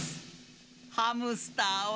ハムスターは。